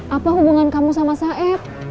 apa hubungan kamu sama saib